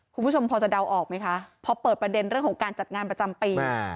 คุณผู้ชมพอจะเดาออกไหมคะพอเปิดประเด็นเรื่องของการจัดงานประจำปี